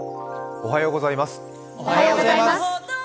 おはようございます。